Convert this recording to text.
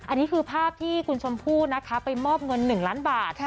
อันนี้คือภาพที่คุณชมพู่นะคะไปมอบเงิน๑ล้านบาท